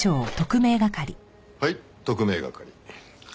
はい特命係。